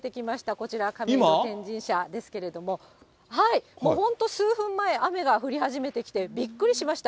こちら、亀戸天神社ですけれども、今、本当に数分前、雨が降り始めてきて、びっくりしました。